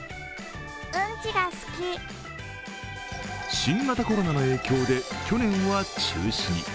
新型コロナの影響で去年は中止に。